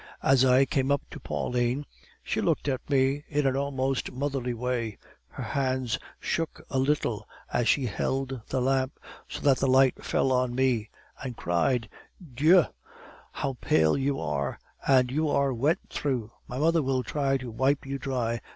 As I came up to Pauline, she looked at me in an almost motherly way; her hands shook a little as she held the lamp, so that the light fell on me and cried: "'Dieu! how pale you are! and you are wet through! My mother will try to wipe you dry.